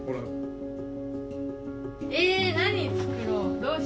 え何作ろう。